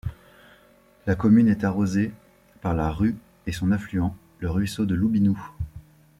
La commune est arrosée par la Rhue et son affluent, le ruisseau de Loubinoux.